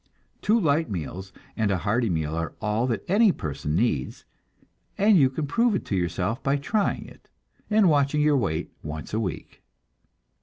Two light meals and a hearty meal are all that any system needs, and you can prove it to yourself by trying it, and watching your weight once a week.